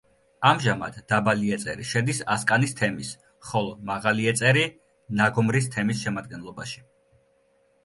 ამჟამად დაბალი ეწერი შედის ასკანის თემის, ხოლო მაღალი ეწერი ნაგომრის თემის შემადგენლობაში.